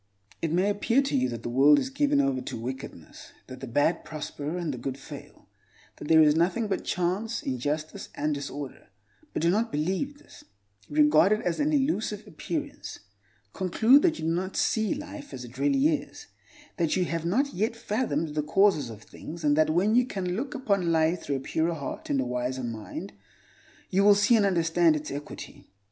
It may appear to you that the world is given over to wickedness; that the bad prosper, and the good fail; that there is nothing but chance, injustice, and disorder. But do not believe this: regard it as an elusive appearance. Conclude that you do not see life as it really is; that you have not yet fathomed the causes of things, and that when you can look upon life through a purer heart and a wiser mind, you will see and understand its equity.